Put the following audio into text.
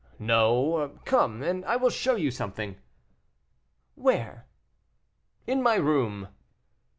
"No; come, and I will show you something." "Where?" "In my room."